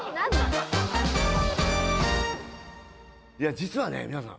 実はね皆さん。